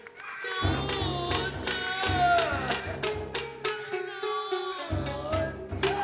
どうじゃ。